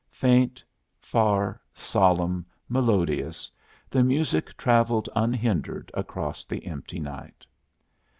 Faint, far, solemn, melodious, the music travelled unhindered across the empty night.